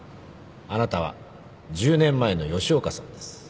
あなたは１０年前の吉岡さんです。